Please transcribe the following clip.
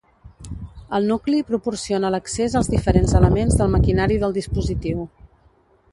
El nucli proporciona l'accés als diferents elements del maquinari del dispositiu.